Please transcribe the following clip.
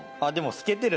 透けてる！